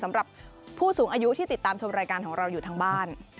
สำหรับผู้สูงอายุที่ติดตามชมรายการของเราอยู่ทางบ้าน